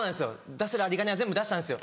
出せる有り金は全部出したんですよ。